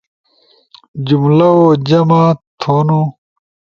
جملؤ جمع تھونو